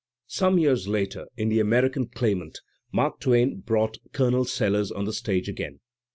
Some years later in "The American Claimant" Mark Twain brought Colonel Sellers on the stage again.